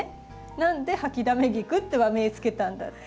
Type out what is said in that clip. なんでハキダメギクって和名付けたんだって。